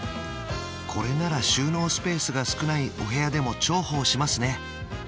これなら収納スペースが少ないお部屋でも重宝しますね